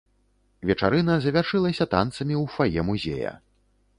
Вечарына завяршылася танцамі ў фае музея.